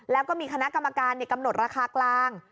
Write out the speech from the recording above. แล้วก็มีคณะกรรมการกำหนดราคากลาง